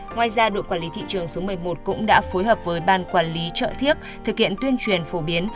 ngoài ra đội quản lý thị trường số một mươi một cũng đã phối hợp với ban quản lý chợ thiết thực hiện tuyên truyền phổ biến